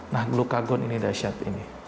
nah glukagon ini dasyat ini